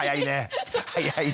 早いね。